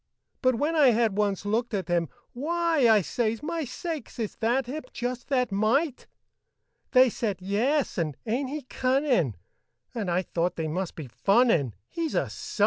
But when I had once looked at him, "Why!" I says, "My sakes, is that him? Just that mite!" They said, "Yes," and, "Ain't he cunnin'?" And I thought they must be funnin', He's a _sight!